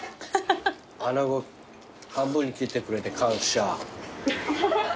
「穴子半分に切ってくれて感謝」